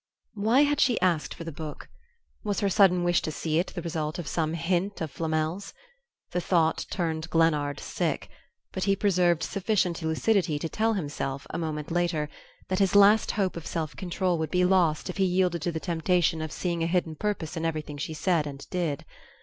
Why had she asked for the book? Was her sudden wish to see it the result of some hint of Flamel's? The thought turned Glennard sick, but he preserved sufficient lucidity to tell himself, a moment later, that his last hope of self control would be lost if he yielded to the temptation of seeing a hidden purpose in everything she said and did.